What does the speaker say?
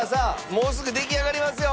もうすぐ出来上がりますよ！